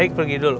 hai eik pergi dulu